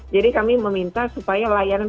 jadi kami meminta supaya layanan